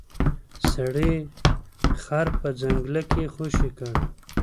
سړي خر په ځنګل کې خوشې کړ.